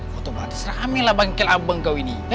motor motor seramilah bang kek abang kau ini